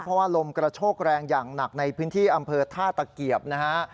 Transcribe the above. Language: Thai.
เพราะว่าลมกระโชกแรงอย่างหนักในพื้นที่อำเภอท่าตะเกียบนะฮะ